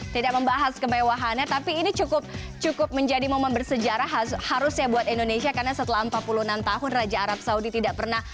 tidak membahas kemewahannya tapi ini cukup cukup menjadi momen bersejarah harusnya buat indonesia karena setelah empat puluh enam tahun raja arab saudi tidak pernah